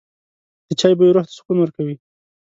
د چای بوی روح ته سکون ورکوي.